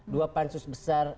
dua pansus besar